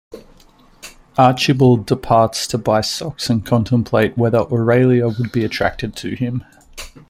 Archibald departs to buy socks and contemplate whether Aurelia would be attracted to him.